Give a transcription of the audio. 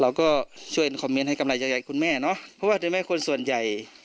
เราก็ช่วยคอมเมนต์ให้กำลังใจคุณแม่เนอะเพราะว่าโดยแม่คนส่วนใหญ่